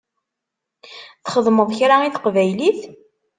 Txedmeḍ kra i teqbaylit?